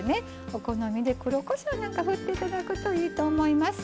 お好みで黒こしょうなんか振っていただくといいと思います。